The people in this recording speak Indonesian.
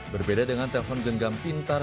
berbeda dengan telpon genggam pintar